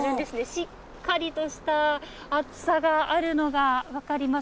しっかりとした厚さがあるのが分かります。